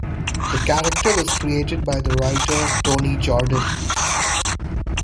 The character was created by the writer, Tony Jordan.